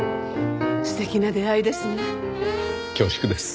素敵な出会いですね。